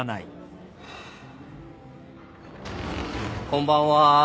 こんばんは。